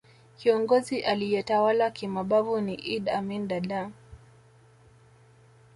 kiongozi aliyetawala kimabavu ni idd amin dada